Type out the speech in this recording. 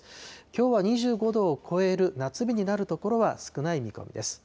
きょうは２５度を超える夏日になる所は少ない見込みです。